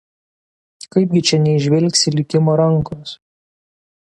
Kaip gi čia neįžvelgsi likimo rankos?